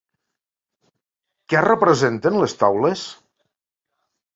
Què representen les taules?